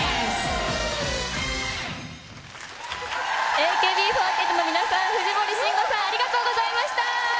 ＡＫＢ４８の皆さん、藤森慎吾さん、ありがとうございました。